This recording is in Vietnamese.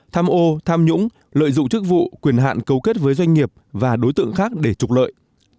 tham ô tham nhũng lợi dụng chức vụ quyền hạn cấu kết với doanh nghiệp và đối tượng khác để trục lợi